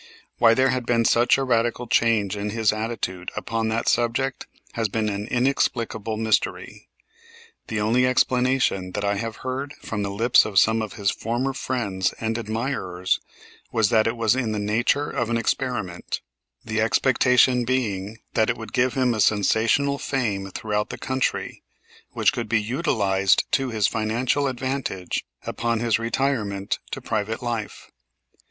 Why there had been such a radical change in his attitude upon that subject, has been an inexplicable mystery. The only explanation that I have heard from the lips of some of his former friends and admirers was that it was in the nature of an experiment, the expectation being that it would give him a sensational fame throughout the country, which could be utilized to his financial advantage upon his retirement to private life.